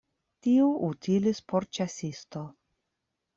Tiu utilis por ĉasisto.